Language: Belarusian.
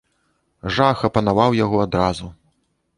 Жах апанаваў яго адразу.